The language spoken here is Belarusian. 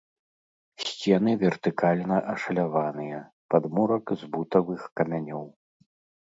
Сцены вертыкальна ашаляваныя, падмурак з бутавых камянёў.